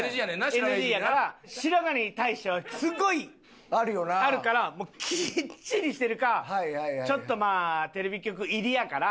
白髪に対してはすごいあるからもうキッチリしてるかちょっとテレビ局入りやから。